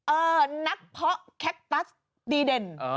นักเพาะแคคตัสดีเด่น